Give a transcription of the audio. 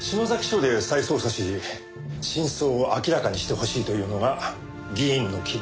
署で再捜査し真相を明らかにしてほしいというのが議員の希望です。